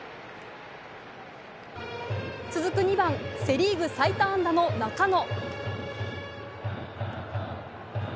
続く２番、セ・リーグ最多安打の中野。